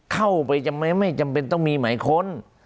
เข้าไปไม่จำเป็นต้องมีหมายค้น